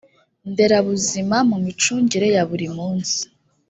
nderabuzima mu micungire ya buri munsi